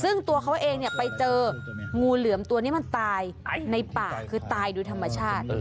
ซึ่งตัวเขาเองไปเจองูเหลือมตัวนี้มันตายในป่าคือตายโดยธรรมชาติ